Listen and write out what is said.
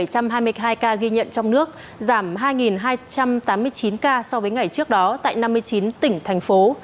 tám bảy trăm hai mươi hai ca ghi nhận trong nước giảm hai hai trăm tám mươi chín ca so với ngày trước đó tại năm mươi chín tỉnh thành phố